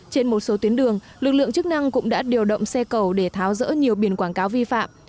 trên một số tuyến đường lực lượng chức năng cũng đã điều động xe cầu để tháo rỡ nhiều biển quảng cáo vi phạm